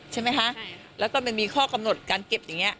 ใช่ไหมคะแล้วก็มันมีข้อกำหนดการเก็บอย่างนี้